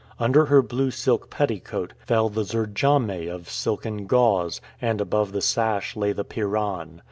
Under her blue silk petticoat, fell the "zirdjameh" of silken gauze, and above the sash lay the "pirahn."